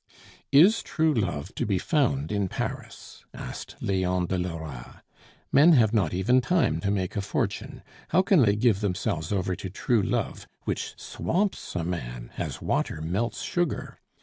"Is true love to be found in Paris?" asked Leon de Lora. "Men have not even time to make a fortune; how can they give themselves over to true love, which swamps a man as water melts sugar?